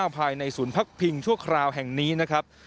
ภายในศูนย์พักพิงชั่วคราวแห่งนี้นะครับ